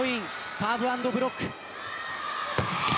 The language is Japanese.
サーブアンドブロック。